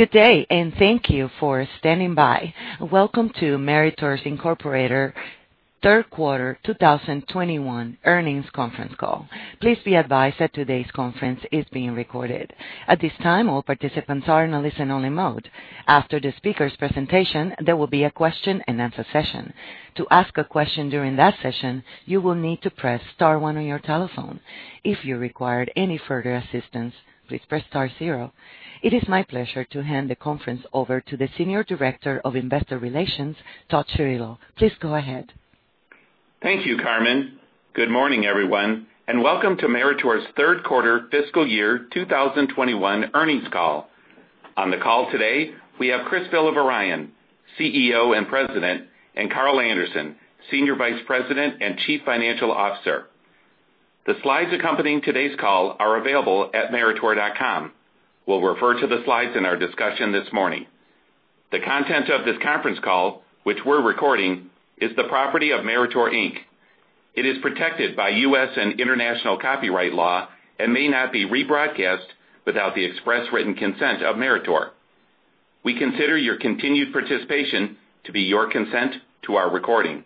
Good day, and thank you for standing by. Welcome to Meritor, Incorporated third quarter 2021 earnings conference call. Please be advised that today's conference is being recorded. At this time, all participants are in a listen-only mode. After the speaker's presentation, there will be a question-and-answer session. To ask a question during the session, you will need to press star one on your telephone. If you require any further assistance, please press star zero. It is my pleasure to hand the conference over to the Senior Director of Investor Relations, Todd Chirillo. Please go ahead. Thank you, Carmen. Good morning, everyone, and welcome to Meritor's third quarter fiscal year 2021 earnings call. On the call today, we have Chris Villavarayan, CEO and President, and Carl Anderson, Senior Vice President and Chief Financial Officer. The slides accompanying today's call are available at meritor.com. We'll refer to the slides in our discussion this morning. The content of this conference call, which we're recording, is the property of Meritor, Inc. It is protected by U.S. and international copyright law and may not be rebroadcast without the express written consent of Meritor. We consider your continued participation to be your consent to our recording.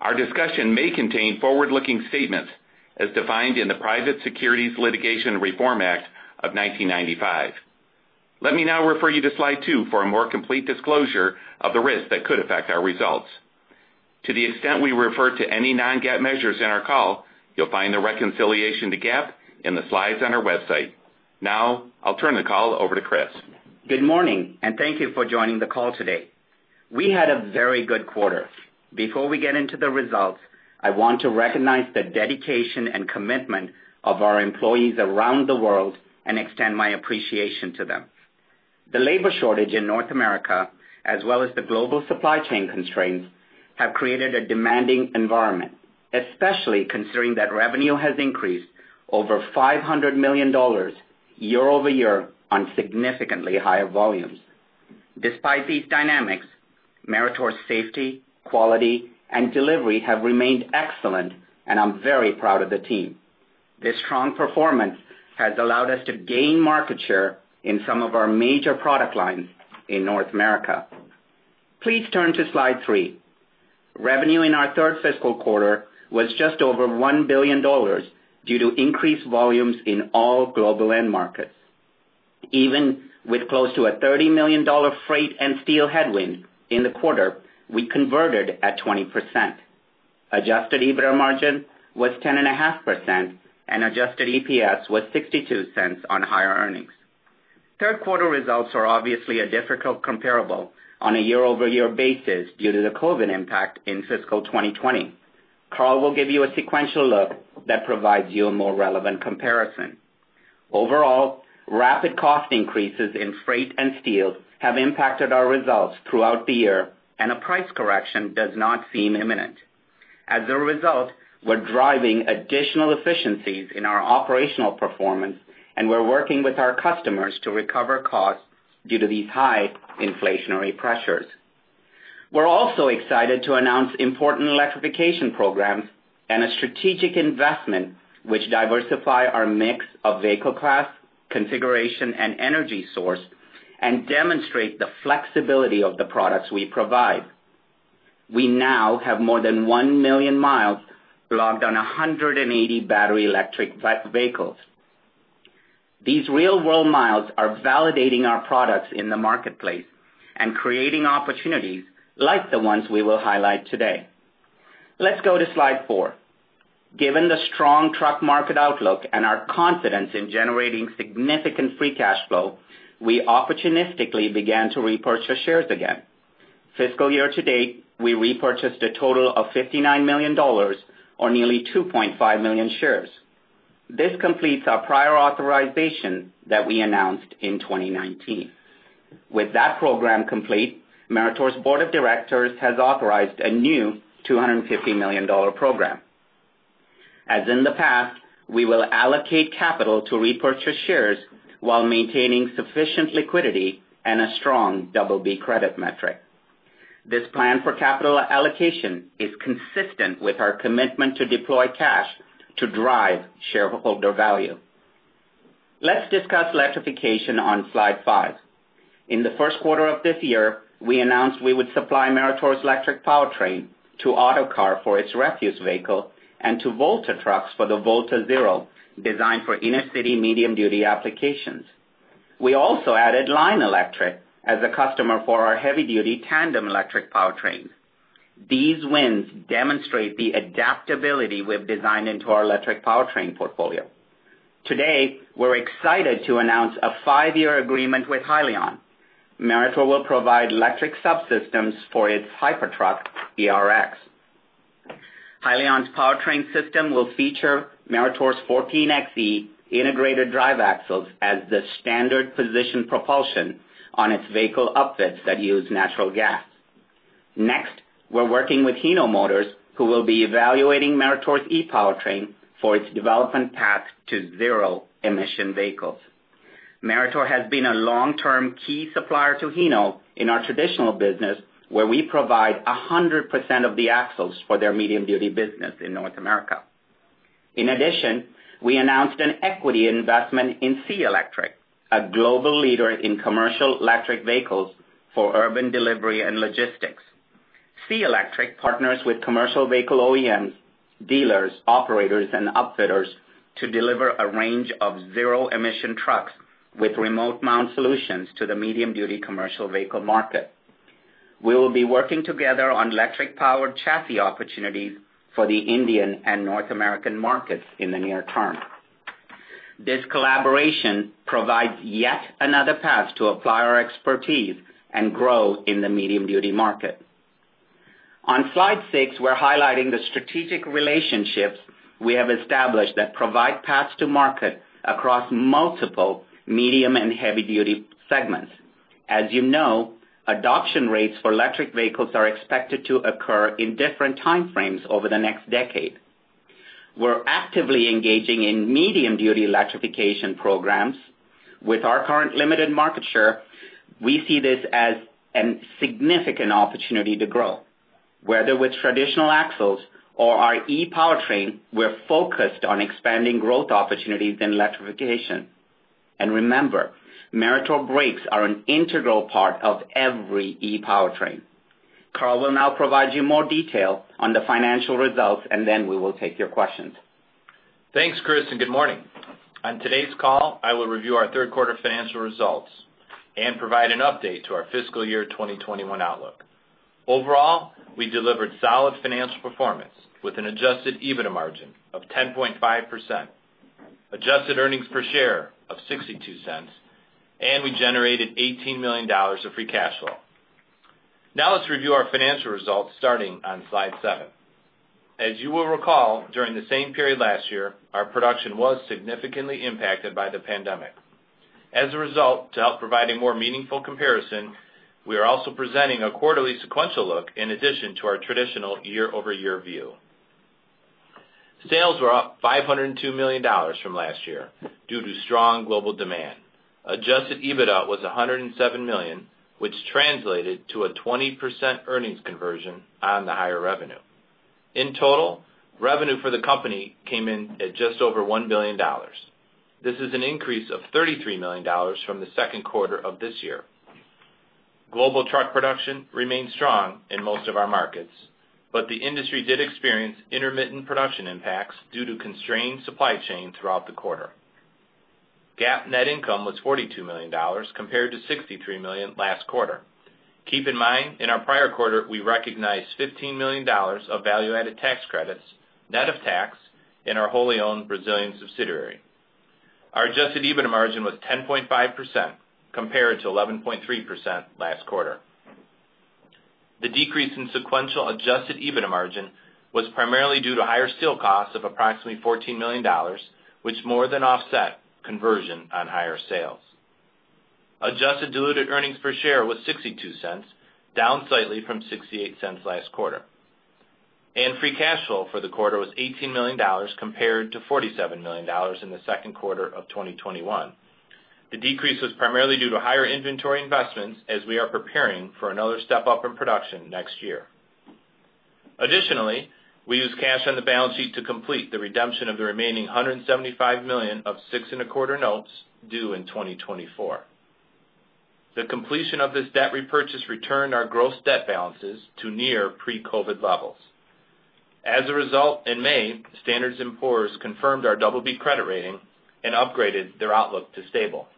Our discussion may contain forward-looking statements as defined in the Private Securities Litigation Reform Act of 1995. Let me now refer you to slide two for a more complete disclosure of the risks that could affect our results. To the extent we refer to any non-GAAP measures in our call, you'll find the reconciliation to GAAP in the slides on our website. I'll turn the call over to Chris. Good morning, and thank you for joining the call today. We had a very good quarter. Before we get into the results, I want to recognize the dedication and commitment of our employees around the world and extend my appreciation to them. The labor shortage in North America, as well as the global supply chain constraints, have created a demanding environment, especially considering that revenue has increased over $500 million year-over-year on significantly higher volumes. Despite these dynamics, Meritor's safety, quality, and delivery have remained excellent, and I'm very proud of the team. This strong performance has allowed us to gain market share in some of our major product lines in North America. Please turn to slide three. Revenue in our third fiscal quarter was just over $1 billion due to increased volumes in all global end markets. Even with close to a $30 million freight and steel headwind in the quarter, we converted at 20%. Adjusted EBITDA margin was 10.5%, and adjusted EPS was $0.62 on higher earnings. Third quarter results are obviously a difficult comparable on a year-over-year basis due to the COVID impact in fiscal 2020. Carl will give you a sequential look that provides you a more relevant comparison. Overall, rapid cost increases in freight and steel have impacted our results throughout the year and a price correction does not seem imminent. As a result, we're driving additional efficiencies in our operational performance, and we're working with our customers to recover costs due to these high inflationary pressures. We're also excited to announce important electrification programs and a strategic investment which diversify our mix of vehicle class, configuration, and energy source and demonstrate the flexibility of the products we provide. We now have more than 1,000,000 mi logged on 180 battery electric vehicles. These real-world miles are validating our products in the marketplace and creating opportunities like the ones we will highlight today. Let's go to slide four. Given the strong truck market outlook and our confidence in generating significant free cash flow, we opportunistically began to repurchase shares again. Fiscal year to date, we repurchased a total of $59 million or nearly 2.5 million shares. This completes our prior authorization that we announced in 2019. With that program complete, Meritor's board of directors has authorized a new $250 million program. As in the past, we will allocate capital to repurchase shares while maintaining sufficient liquidity and a strong BB credit metric. This plan for capital allocation is consistent with our commitment to deploy cash to drive shareholder value. Let's discuss electrification on slide five. In the first quarter of this year, we announced we would supply Meritor's ePowertrain to Autocar for its refuse vehicle and to Volta Trucks for the Volta Zero, designed for inner city medium duty applications. We also added Lion Electric as a customer for our heavy duty tandem electric powertrain. These wins demonstrate the adaptability we've designed into our electric powertrain portfolio. Today, we're excited to announce a five-year agreement with Hyliion. Meritor will provide electric subsystems for its Hypertruck ERX. Hyliion's powertrain system will feature Meritor's 14Xe integrated drive axles as the standard position propulsion on its vehicle upfits that use natural gas. Next, we're working with Hino Motors, who will be evaluating Meritor's ePowertrain for its development path to zero emission vehicles. Meritor has been a long-term key supplier to Hino in our traditional business, where we provide 100% of the axles for their medium-duty business in North America. In addition, we announced an equity investment in SEA Electric, a global leader in commercial electric vehicles for urban delivery and logistics. SEA Electric partners with commercial vehicle OEMs, dealers, operators, and upfitters to deliver a range of zero-emission trucks with remote mount solutions to the medium-duty commercial vehicle market. We will be working together on electric-powered chassis opportunities for the Indian and North American markets in the near term. This collaboration provides yet another path to apply our expertise and grow in the medium-duty market. On slide six, we're highlighting the strategic relationships we have established that provide paths to market across multiple medium and heavy-duty segments. As you know, adoption rates for electric vehicles are expected to occur in different time frames over the next decade. We're actively engaging in medium-duty electrification programs. With our current limited market share, we see this as a significant opportunity to grow. Whether with traditional axles or our ePowertrain, we're focused on expanding growth opportunities in electrification. Remember, Meritor brakes are an integral part of every ePowertrain. Carl will now provide you more detail on the financial results, and then we will take your questions. Thanks, Chris. Good morning. On today's call, I will review our third quarter financial results and provide an update to our fiscal year 2021 outlook. Overall, we delivered solid financial performance with an adjusted EBITDA margin of 10.5%, adjusted earnings per share of $0.62, and we generated $18 million of free cash flow. Let's review our financial results, starting on slide seven. You will recall, during the same period last year, our production was significantly impacted by the pandemic. As a result, to help provide a more meaningful comparison, we are also presenting a quarterly sequential look in addition to our traditional year-over-year view. Sales were up $502 million from last year due to strong global demand. Adjusted EBITDA was $107 million, which translated to a 20% earnings conversion on the higher revenue. In total, revenue for the company came in at just over $1 billion. This is an increase of $33 million from the second quarter of this year. Global truck production remains strong in most of our markets, but the industry did experience intermittent production impacts due to constrained supply chain throughout the quarter. GAAP net income was $42 million compared to $63 million last quarter. Keep in mind, in our prior quarter, we recognized $15 million of value-added tax credits net of tax in our wholly-owned Brazilian subsidiary. Our adjusted EBITDA margin was 10.5% compared to 11.3% last quarter. The decrease in sequential adjusted EBITDA margin was primarily due to higher steel costs of approximately $14 million, which more than offset conversion on higher sales. Adjusted diluted earnings per share was $0.62, down slightly from $0.68 last quarter. Free cash flow for the quarter was $18 million compared to $47 million in the second quarter of 2021. The decrease was primarily due to higher inventory investments as we are preparing for another step-up in production next year. Additionally, we used cash on the balance sheet to complete the redemption of the remaining $175 million of 6.25% notes due in 2024. The completion of this debt repurchase returned our gross debt balances to near pre-COVID levels. In May, Standard & Poor's confirmed our BB credit rating and upgraded their outlook to stable.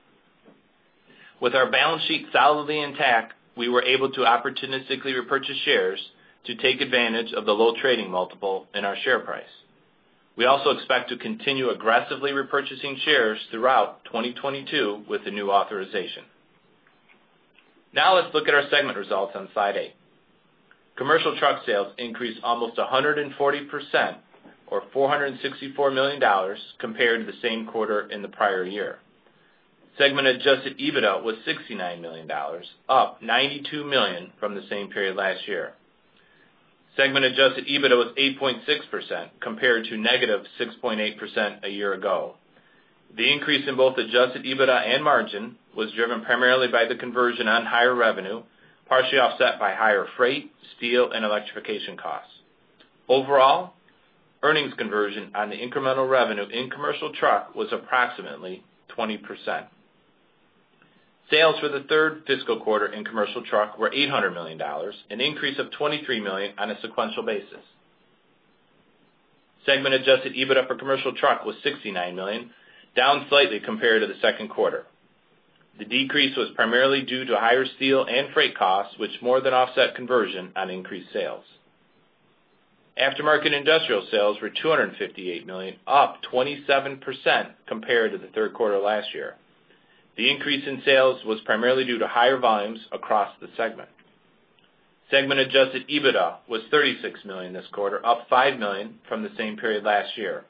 With our balance sheet solidly intact, we were able to opportunistically repurchase shares to take advantage of the low trading multiple in our share price. We also expect to continue aggressively repurchasing shares throughout 2022 with the new authorization. Let's look at our segment results on slide eight. Commercial truck sales increased almost 140%, or $464 million, compared to the same quarter in the prior year. Segment adjusted EBITDA was $69 million, up $92 million from the same period last year. Segment adjusted EBITDA was 8.6% compared to negative 6.8% a year ago. The increase in both adjusted EBITDA and margin was driven primarily by the conversion on higher revenue, partially offset by higher freight, steel, and electrification costs. Overall, earnings conversion on the incremental revenue in commercial truck was approximately 20%. Sales for the third fiscal quarter in commercial truck were $800 million, an increase of $23 million on a sequential basis. Segment adjusted EBITDA for commercial truck was $69 million, down slightly compared to the second quarter. The decrease was primarily due to higher steel and freight costs, which more than offset conversion on increased sales. Aftermarket Industrial sales were $258 million, up 27% compared to the third quarter last year. The increase in sales was primarily due to higher volumes across the segment. Segment adjusted EBITDA was $36 million this quarter, up $5 million from the same period last year.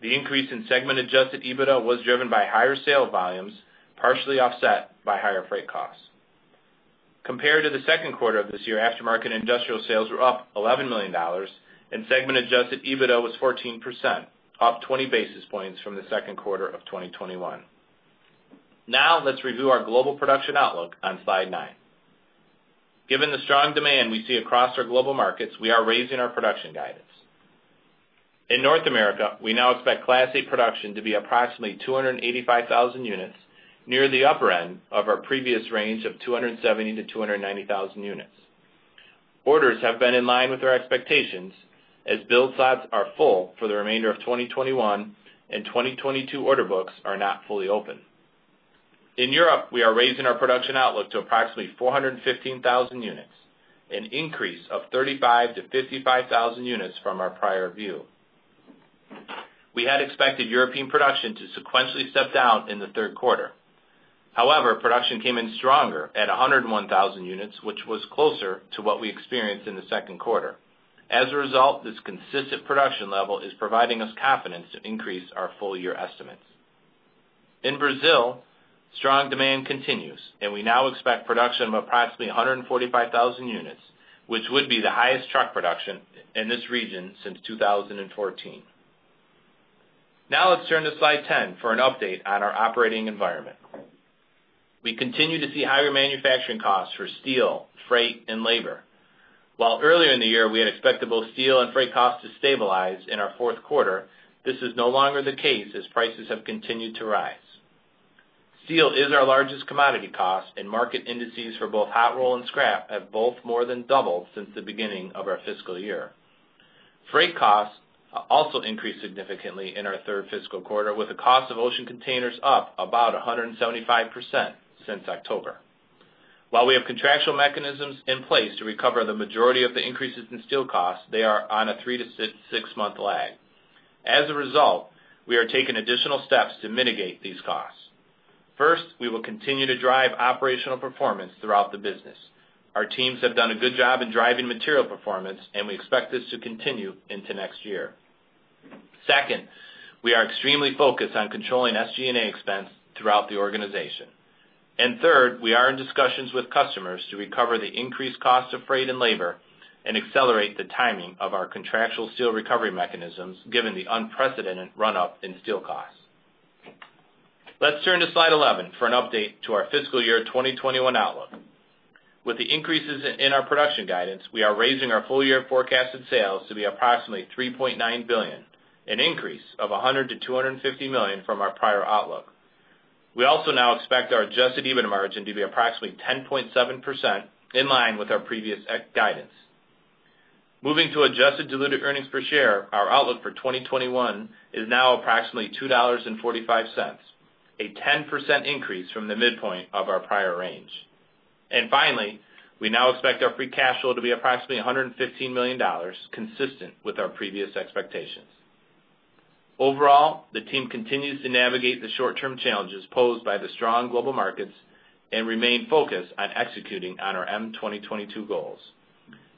The increase in segment adjusted EBITDA was driven by higher sales volumes, partially offset by higher freight costs. Compared to the second quarter of this year, Aftermarket Industrial sales were up $11 million and segment adjusted EBITDA was 14%, up 20 basis points from the second quarter of 2021. Now let's review our global production outlook on slide nine. Given the strong demand we see across our global markets, we are raising our production guidance. In North America, we now expect Class 8 production to be approximately 285,000 units, near the upper end of our previous range of 270,000-290,000 units. Orders have been in line with our expectations as build slots are full for the remainder of 2021 and 2022 order books are not fully open. In Europe, we are raising our production outlook to approximately 415,000 units, an increase of 35,000-55,000 units from our prior view. We had expected European production to sequentially step down in the third quarter. Production came in stronger at 101,000 units, which was closer to what we experienced in the second quarter. This consistent production level is providing us confidence to increase our full year estimates. In Brazil, strong demand continues, and we now expect production of approximately 145,000 units, which would be the highest truck production in this region since 2014. Now let's turn to slide 10 for an update on our operating environment. We continue to see higher manufacturing costs for steel, freight, and labor. While earlier in the year, we had expected both steel and freight costs to stabilize in our fourth quarter, this is no longer the case as prices have continued to rise. Steel is our largest commodity cost, and market indices for both hot roll and scrap have both more than doubled since the beginning of our fiscal year. Freight costs also increased significantly in our third fiscal quarter, with the cost of ocean containers up about 175% since October. While we have contractual mechanisms in place to recover the majority of the increases in steel costs, they are on a three to six-month lag. As a result, we are taking additional steps to mitigate these costs. First, we will continue to drive operational performance throughout the business. Our teams have done a good job in driving material performance, and we expect this to continue into next year. Second, we are extremely focused on controlling SG&A expense throughout the organization. Third, we are in discussions with customers to recover the increased cost of freight and labor and accelerate the timing of our contractual steel recovery mechanisms, given the unprecedented run-up in steel costs. Let's turn to slide 11 for an update to our fiscal year 2021 outlook. With the increases in our production guidance, we are raising our full-year forecasted sales to be approximately $3.9 billion, an increase of $100 million-$250 million from our prior outlook. We also now expect our adjusted EBITDA margin to be approximately 10.7%, in line with our previous guidance. Moving to adjusted diluted earnings per share, our outlook for 2021 is now approximately $2.45, a 10% increase from the midpoint of our prior range. Finally, we now expect our free cash flow to be approximately $115 million, consistent with our previous expectations. Overall, the team continues to navigate the short-term challenges posed by the strong global markets and remain focused on executing on our M2022 goals.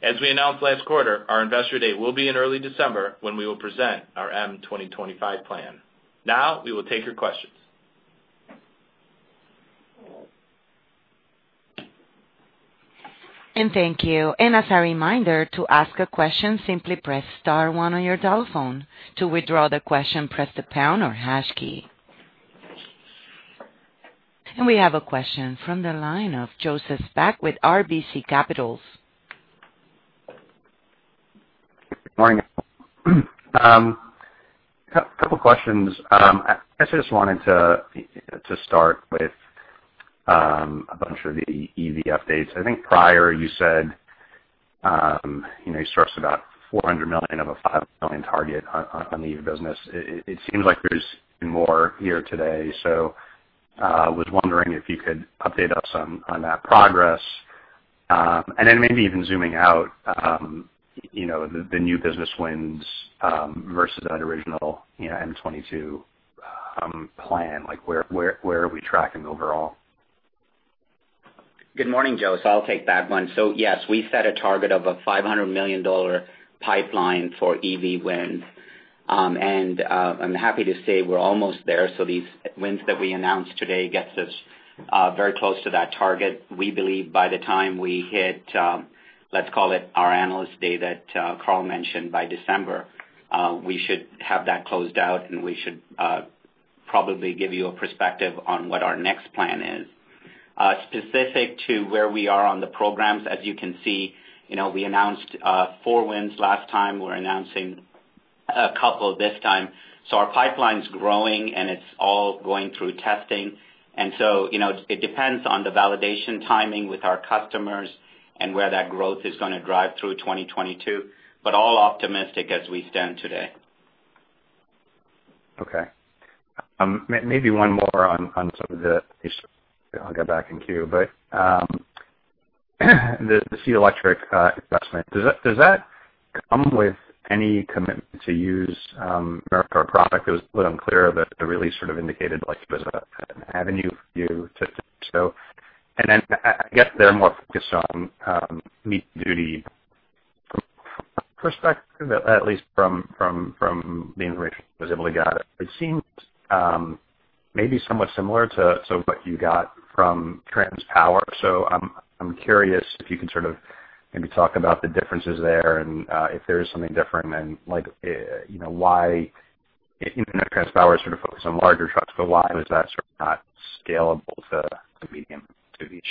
As we announced last quarter, our investor date will be in early December, when we will present our M2025 plan. Now, we will take your questions. Thank you. As a reminder, to ask a question, simply press star one on your telephone. To withdraw the question, press the pound or hash key. We have a question from the line of Joseph Spak with RBC Capital. Good morning. Couple questions. I just wanted to start with a bunch of the EV updates. I think prior, you said you sourced about $400 million of a $500 million target on the EV business. It seems like there's more here today. I was wondering if you could update us on that progress. Maybe even zooming out, the new business wins versus that original M2022 plan. Where are we tracking overall? Good morning, Joe. I'll take that one. Yes, we set a target of a $500 million pipeline for EV wins. I'm happy to say we're almost there. These wins that we announced today gets us very close to that target. We believe by the time we hit, let's call it our analyst day that Carl mentioned by December, we should have that closed out, and we should probably give you a perspective on what our next plan is. Specific to where we are on the programs, as you can see, we announced four wins last time. We're announcing a couple this time. Our pipeline's growing, and it's all going through testing. It depends on the validation timing with our customers and where that growth is going to drive through 2022, but all optimistic as we stand today. Okay. Maybe one more. I'll get back in queue, but the SEA Electric investment, does that come with any commitment to use Meritor product? It was a little unclear. The release sort of indicated like it was an avenue for you to do so. I guess they're more focused on duty from perspective, at least from the information I was able to get. It seems maybe somewhat similar to what you got from TransPower. I'm curious if you can sort of maybe talk about the differences there, and if there is something different, then why. Even though TransPower is sort of focused on larger trucks, but why was that sort of not scalable to medium duty?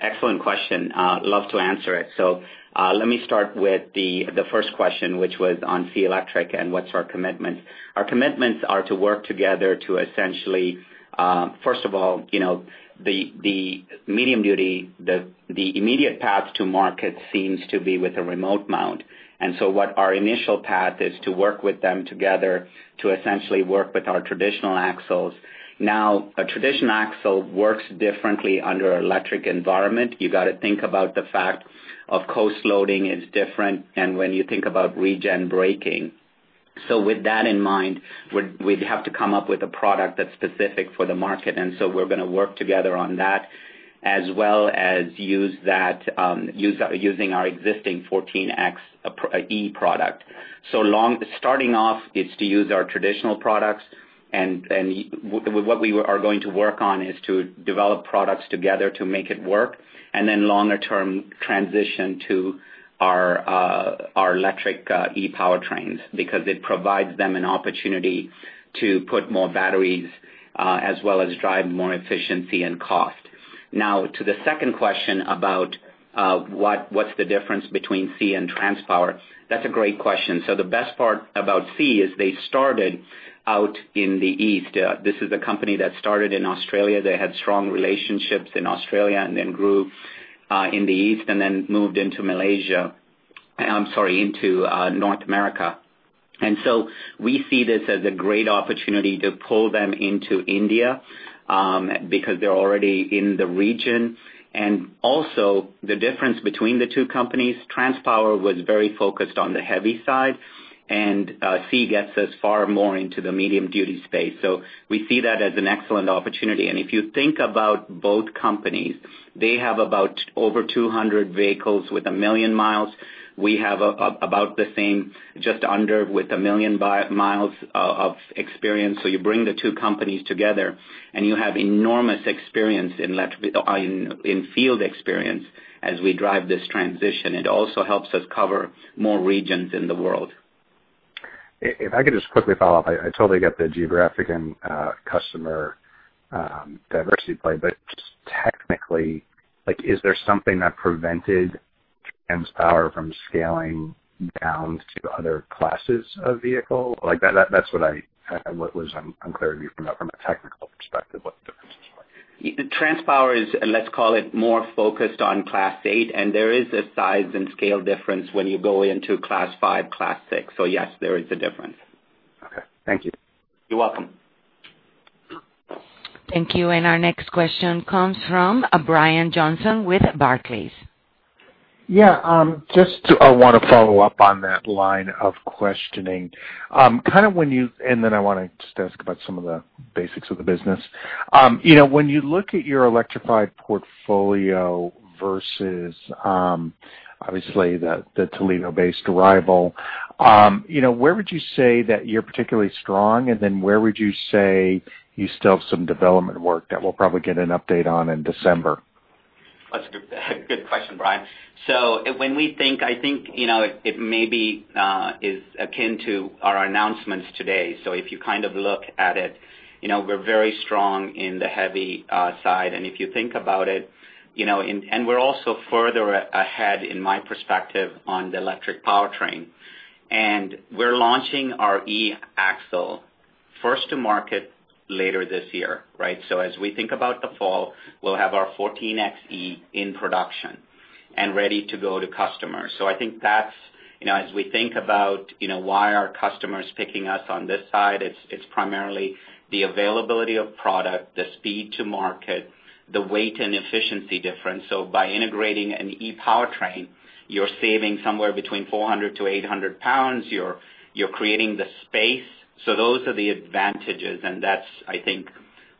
Excellent question. Love to answer it. Let me start with the first question, which was on SEA Electric and what's our commitment. Our commitments are to work together to essentially, first of all, the medium duty, the immediate path to market seems to be with a remote mount. What our initial path is to work with them together to essentially work with our traditional axles. A traditional axle works differently under an electric environment. You got to think about the fact of coast loading is different than when you think about regen braking. With that in mind, we'd have to come up with a product that's specific for the market, we're going to work together on that, as well as using our existing 14Xe product. Starting off is to use our traditional products, and what we are going to work on is to develop products together to make it work, and then longer term, transition to our electric ePowertrains, because it provides them an opportunity to put more batteries, as well as drive more efficiency and cost. To the second question about what's the difference between SEA and TransPower, that's a great question. The best part about SEA is they started out in the East. This is a company that started in Australia. They had strong relationships in Australia and then grew in the East and then moved into North America. We see this as a great opportunity to pull them into India, because they're already in the region. Also the difference between the two companies, TransPower was very focused on the heavy side, and SEA gets us far more into the medium duty space, so we see that as an excellent opportunity. If you think about both companies, they have about over 200 vehicles with 1,000,000 mi. We have about the same, just under with 1,000,000 mi of experience. You bring the two companies together and you have enormous experience in field experience as we drive this transition. It also helps us cover more regions in the world. If I could just quickly follow up, I totally get the geographic and customer diversity play, but just technically, is there something that prevented TransPower from scaling down to other classes of vehicle? That's what I was unclear with you from a technical perspective, what the difference is like. TransPower is, let's call it, more focused on Class 8, and there is a size and scale difference when you go into Class 5, Class 6. Yes, there is a difference. Okay. Thank you. You're welcome. Thank you. Our next question comes from Brian Johnson with Barclays. Yeah. Just I want to follow up on that line of questioning. I want to just ask about some of the basics of the business. When you look at your electrified portfolio versus obviously the Toledo-based arrival, where would you say that you're particularly strong, and then where would you say you still have some development work that we'll probably get an update on in December? That's a good question, Brian. When we think, I think it maybe is akin to our announcements today. If you kind of look at it, we're very strong in the heavy side, and if you think about it, and we're also further ahead in my perspective on the ePowertrain. We're launching our eAxle first to market later this year, right? As we think about the fall, we'll have our 14Xe in production and ready to go to customers. I think as we think about why are customers picking us on this side, it's primarily the availability of product, the speed to market, the weight and efficiency difference. By integrating an ePowertrain, you're saving somewhere between 400 lbs-800 lbs. You're creating the space. Those are the advantages, and that's I think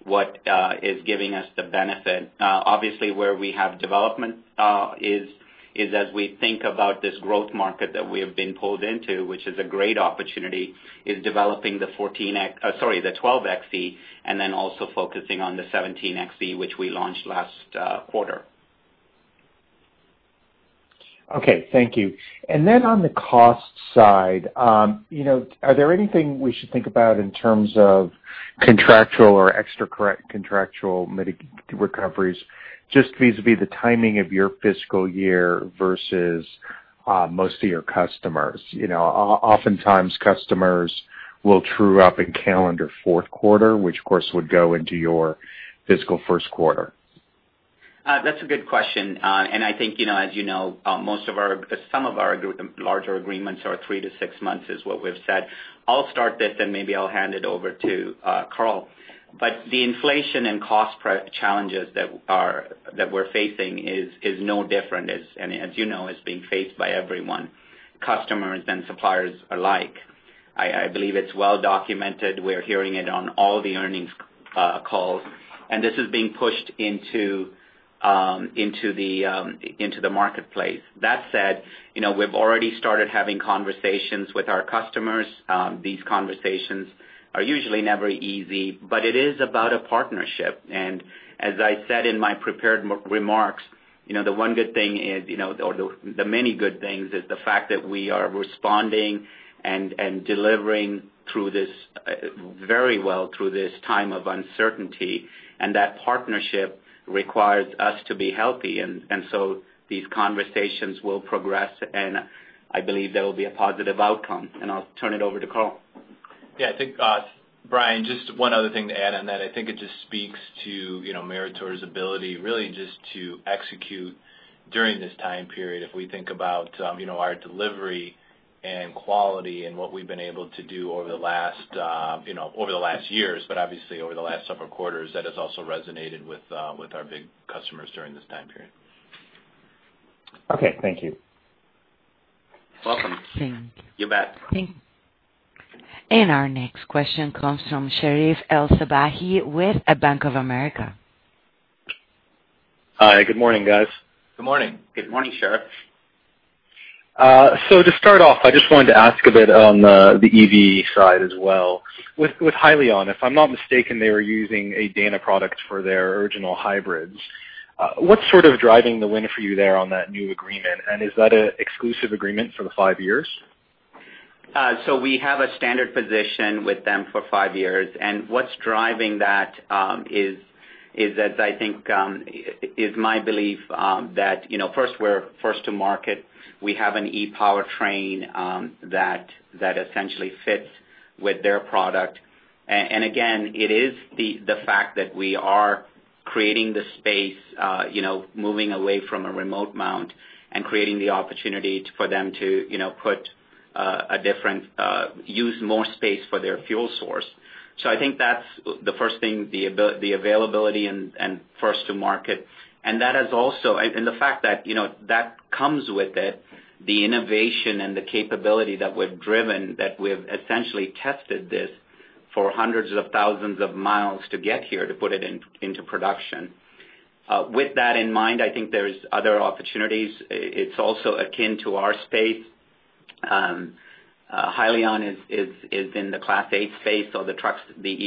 what is giving us the benefit. Obviously where we have development is as we think about this growth market that we have been pulled into, which is a great opportunity, is developing the 12Xe and then also focusing on the 17Xe, which we launched last quarter. Okay. Thank you. On the cost side, are there anything we should think about in terms of contractual or extra contractual recoveries, just vis-a-vis the timing of your fiscal year versus most of your customers? Oftentimes customers will true up in calendar fourth quarter, which of course would go into your fiscal first quarter. That's a good question. I think as you know, some of our larger agreements are three to six months, is what we've said. I'll start this, then maybe I'll hand it over to Carl. The inflation and cost challenges that we're facing is no different, and as you know, is being faced by everyone, customers and suppliers alike. I believe it's well documented. We're hearing it on all the earnings calls, and this is being pushed into the marketplace. That said, we've already started having conversations with our customers. These conversations are usually never easy, but it is about a partnership. As I said in my prepared remarks, the one good thing is, or the many good things, is the fact that we are responding and delivering very well through this time of uncertainty. That partnership requires us to be healthy. These conversations will progress, and I believe there will be a positive outcome. I'll turn it over to Carl. Yeah, I think, Brian, just one other thing to add on that. I think it just speaks to Meritor's ability, really just to execute during this time period. We think about our delivery and quality and what we've been able to do over the last years, but obviously over the last several quarters, that has also resonated with our big customers during this time period. Okay. Thank you. Welcome. Thank you. You bet. Thank you. Our next question comes from Sherif El-Sabbahy with Bank of America. Hi. Good morning, guys. Good morning. Good morning, Sherif. To start off, I just wanted to ask a bit on the EV side as well. With Hyliion, if I'm not mistaken, they were using a Dana product for their original hybrids. What's sort of driving the win for you there on that new agreement, and is that an exclusive agreement for the five years? We have a standard position with them for five years, and what's driving that is my belief that first, we're first to market. We have an ePowertrain that essentially fits with their product. Again, it is the fact that we are creating the space, moving away from a remote mount and creating the opportunity for them to use more space for their fuel source. I think that's the first thing, the availability and first to market. The fact that comes with it, the innovation and the capability that we've driven, that we've essentially tested this for hundreds of thousands of miles to get here, to put it into production. With that in mind, I think there are other opportunities. It's also akin to our space. Hyliion is in the Class 8 space, so the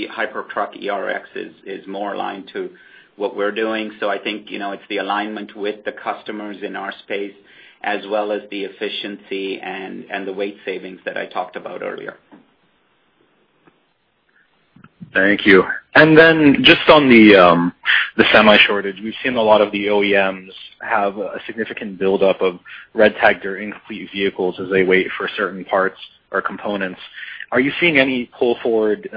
Hypertruck ERX is more aligned to what we're doing. I think it's the alignment with the customers in our space, as well as the efficiency and the weight savings that I talked about earlier. Thank you. Just on the semi shortage, we've seen a lot of the OEMs have a significant buildup of red tagged or incomplete vehicles as they wait for certain parts or components. Are you seeing any pull forward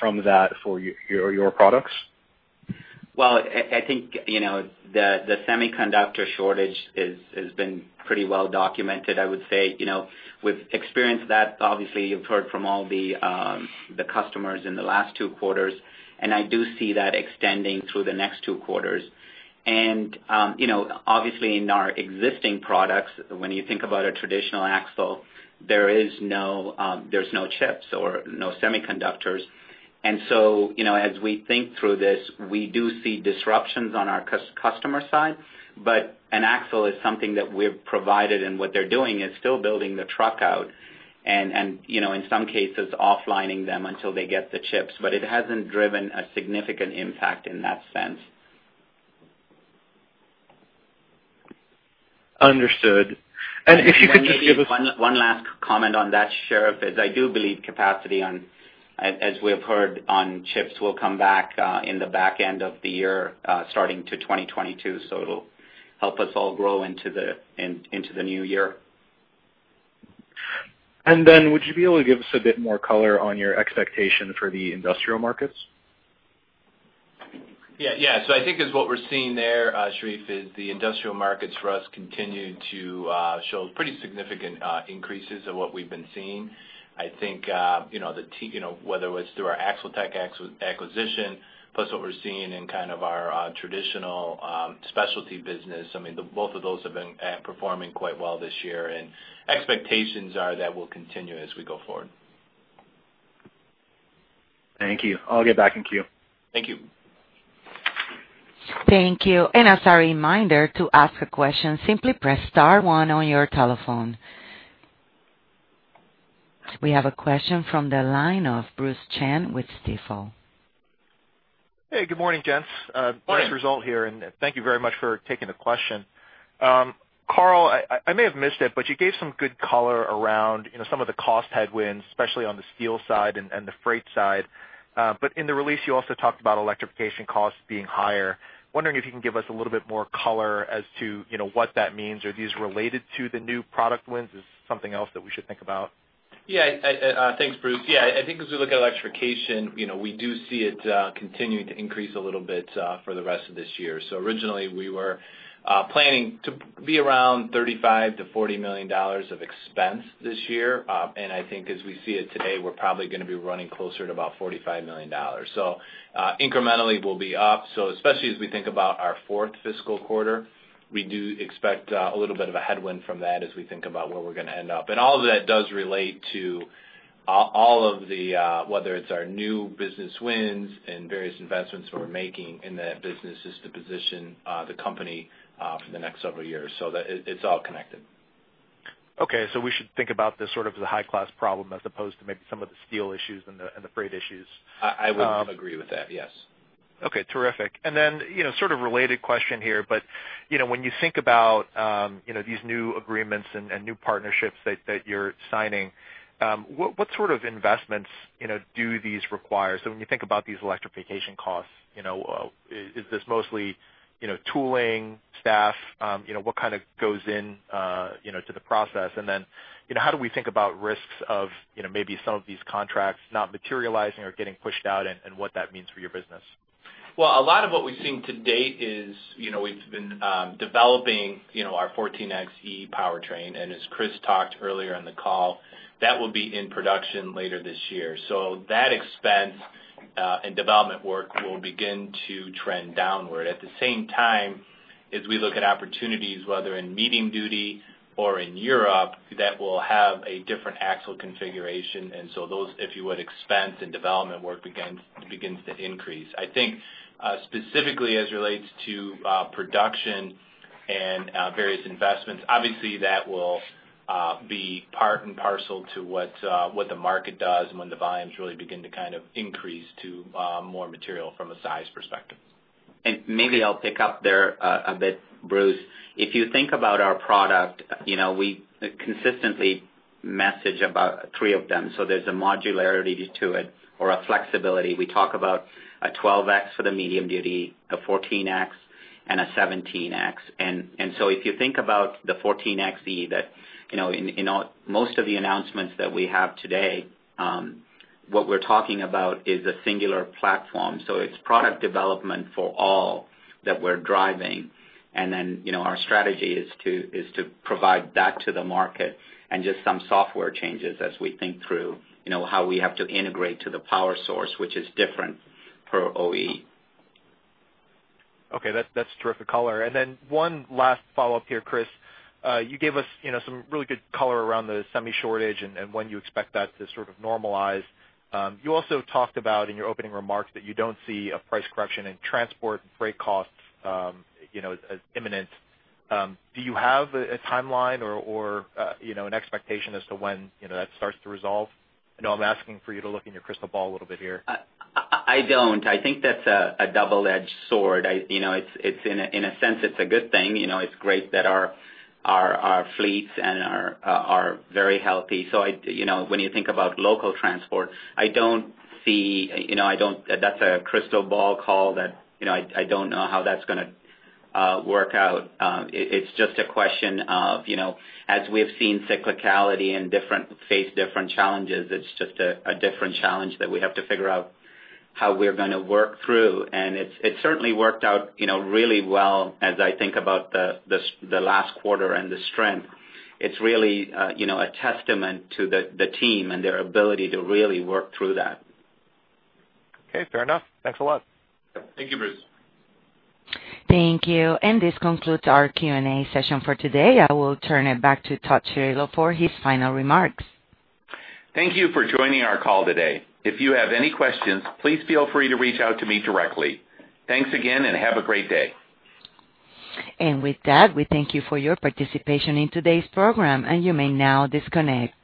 from that for your products? Well, I think the semiconductor shortage has been pretty well documented, I would say. We've experienced that. Obviously, you've heard from all the customers in the last two quarters. I do see that extending through the next two quarters. Obviously in our existing products, when you think about a traditional axle, there's no chips or no semiconductors. As we think through this, we do see disruptions on our customer side. An axle is something that we've provided, and what they're doing is still building the truck out and in some cases offlining them until they get the chips. It hasn't driven a significant impact in that sense. Understood. If you could just give us. One last comment on that, Sherif, is I do believe capacity on, as we have heard on chips, will come back in the back end of the year starting to 2022. It'll help us all grow into the new year. Would you be able to give us a bit more color on your expectation for the industrial markets? Yeah. I think as what we're seeing there, Sherif, is the industrial markets for us continuing to show pretty significant increases of what we've been seeing. I think whether it's through our AxleTech acquisition, plus what we're seeing in kind of our traditional specialty business, both of those have been performing quite well this year, and expectations are that will continue as we go forward. Thank you. I'll get back in queue. Thank you. Thank you. As a reminder, to ask a question simply press star one on your telephone. We have a question from the line of Bruce Chan with Stifel. Hey, good morning, gents. Morning. Bruce Chan here, and thank you very much for taking the question. Carl, I may have missed it, but you gave some good color around some of the cost headwinds, especially on the steel side and the freight side. In the release, you also talked about electrification costs being higher. Wondering if you can give us a little bit more color as to what that means. Are these related to the new product wins? Is this something else that we should think about? Thanks, Bruce. I think as we look at electrification, we do see it continuing to increase a little bit for the rest of this year. Originally we were planning to be around $35 million-$40 million of expense this year. I think as we see it today, we're probably going to be running closer to about $45 million. Incrementally we'll be up. Especially as we think about our fourth fiscal quarter, we do expect a little bit of a headwind from that as we think about where we're going to end up. All of that does relate to all of the, whether it's our new business wins and various investments we're making in the businesses to position the company for the next several years. It's all connected. Okay, we should think about this sort of as a high-class problem as opposed to maybe some of the steel issues and the freight issues. I would agree with that, yes. Okay, terrific. Sort of related question here, but when you think about these new agreements and new partnerships that you're signing, what sort of investments do these require? When you think about these electrification costs, is this mostly tooling, staff? What kind of goes in to the process? How do we think about risks of maybe some of these contracts not materializing or getting pushed out and what that means for your business? A lot of what we've seen to date is we've been developing our 14Xe powertrain, and as Chris talked earlier in the call, that will be in production later this year. That expense and development work will begin to trend downward. At the same time, as we look at opportunities, whether in medium-duty or in Europe, that will have a different axle configuration. Those, if you would, expense and development work begins to increase. I think specifically as it relates to production and various investments, obviously that will be part and parcel to what the market does and when the volumes really begin to kind of increase to more material from a size perspective. Maybe I'll pick up there a bit, Bruce. If you think about our product, we consistently message about three of them. So there's a modularity to it or a flexibility. We talk about a 12X for the medium duty, a 14X, and a 17X. If you think about the 14Xe that in most of the announcements that we have today, what we're talking about is a singular platform. So it's product development for all that we're driving. Our strategy is to provide that to the market and just some software changes as we think through how we have to integrate to the power source, which is different per OE. Okay. That's terrific color. One last follow-up here, Chris. You gave us some really good color around the semi shortage and when you expect that to sort of normalize. You also talked about in your opening remarks that you don't see a price correction in transport and freight costs as imminent. Do you have a timeline or an expectation as to when that starts to resolve? I know I'm asking for you to look in your crystal ball a little bit here. I don't. I think that's a double-edged sword. In a sense, it's a good thing. It's great that our fleets are very healthy. When you think about local transport, that's a crystal ball call that I don't know how that's going to work out. It's just a question of as we've seen cyclicality and face different challenges, it's just a different challenge that we have to figure out how we're going to work through. It certainly worked out really well as I think about the last quarter and the strength. It's really a testament to the team and their ability to really work through that. Okay, fair enough. Thanks a lot. Thank you, Bruce. Thank you. This concludes our Q&A session for today. I will turn it back to Todd Chirillo for his final remarks. Thank you for joining our call today. If you have any questions, please feel free to reach out to me directly. Thanks again, and have a great day. With that, we thank you for your participation in today's program, and you may now disconnect.